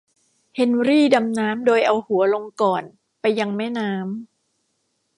เฮนรี่ดำน้ำโดยเอาหัวลงก่อนไปยังแม่น้ำ